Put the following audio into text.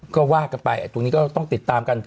ก็ว่ากันไปตรงนี้ก็ต้องติดตามกัน